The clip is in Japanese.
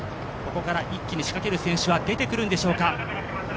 ここから一気に仕掛ける選手は出てくるんでしょうか。